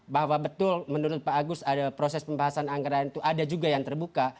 bahwa betul menurut pak agus ada proses pembahasan anggaran itu ada juga yang terbuka